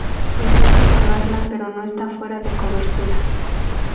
Intenta llamarla, pero está fuera de cobertura.